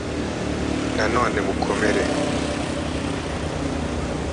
nanone mukomere